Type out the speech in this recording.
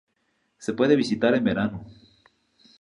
Se puede visitar en verano.